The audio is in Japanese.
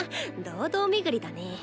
堂々巡りだね。